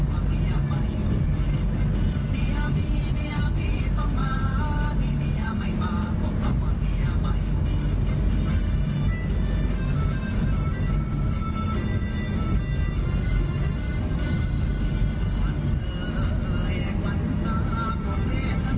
คุณลุงขับรถตู้แล้วลองไปดูค่ะ